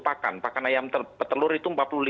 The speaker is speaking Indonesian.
pakan pakan ayam petelur itu